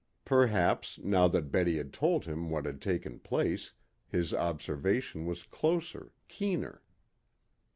Perhaps, now that Betty had told him what had taken place, his observation was closer, keener.